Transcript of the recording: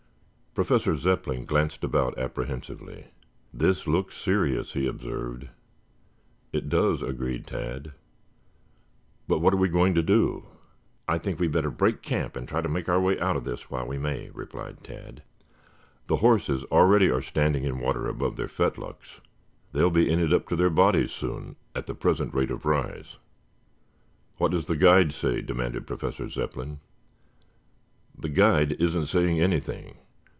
Professor Zepplin glanced about apprehensively. "This looks serious," he observed. "It does," agreed Tad. "But what are we going to do?" "I think we had better break camp and try to make our way out of this while we may," replied Tad. "The horses already are standing in water above their fetlocks. They'll be in it up to their bodies soon, at the present rate of rise." "What does the guide say?" demanded Professor Zepplin. "The guide isn't saying anything.